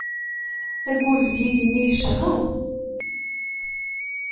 Ayyur deg yigenni yecher.